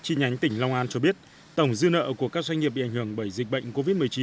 chi nhánh tỉnh long an cho biết tổng dư nợ của các doanh nghiệp bị ảnh hưởng bởi dịch bệnh covid một mươi chín